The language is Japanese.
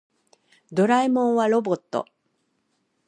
ドラえもんはロボット。